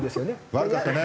悪かったね。